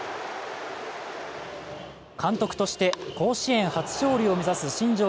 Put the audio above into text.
監督として甲子園初勝利を目指す新庄